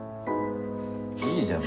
いいじゃん